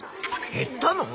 減ったの？